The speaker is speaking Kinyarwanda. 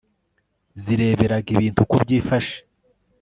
zireberaga ibintu uko byifashe